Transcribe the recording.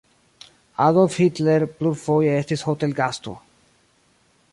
Adolf Hitler plurfoje estis hotelgasto.